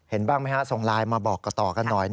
บ้างไหมฮะส่งไลน์มาบอกกับต่อกันหน่อย